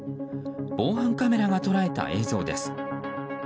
防犯カメラが捉えた映像です。